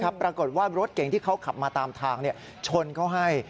ปรากฏว่ารถเก่งที่เขาขับมาตามทางชนเขาให้